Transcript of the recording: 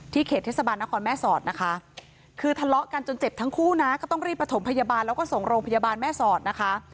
เขตเทศบาลนครแม่สอดนะคะคือทะเลาะกันจนเจ็บทั้งคู่นะก็ต้องรีบประถมพยาบาลแล้วก็ส่งโรงพยาบาลแม่สอดนะคะ